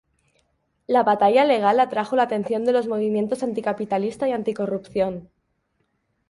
La batalla legal atrajo la atención de los movimientos anticapitalista y anticorrupción.